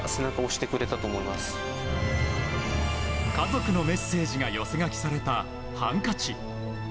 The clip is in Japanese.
家族のメッセージが寄せ書きされたハンカチ。